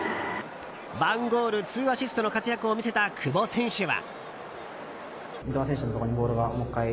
１ゴール２アシストの活躍を見せた久保選手は。